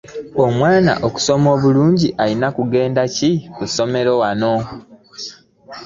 Omwana okusoma obulungi alina kugenda ku ssomero ki wano?